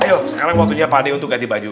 ayo sekarang waktunya pade untuk ganti baju